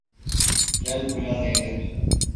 Gel buraya Zeynep…